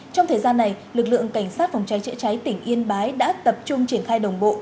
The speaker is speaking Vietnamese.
trong thời gian này lực lượng cảnh sát phòng cháy chữa cháy tỉnh yên bái đã tập trung triển khai đồng bộ